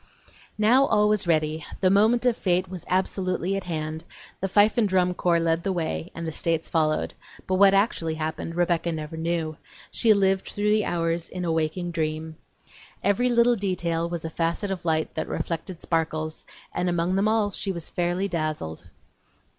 II Now all was ready; the moment of fate was absolutely at hand; the fife and drum corps led the way and the States followed; but what actually happened Rebecca never knew; she lived through the hours in a waking dream. Every little detail was a facet of light that reflected sparkles, and among them all she was fairly dazzled.